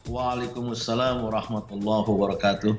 waalaikumsalam warahmatullahi wabarakatuh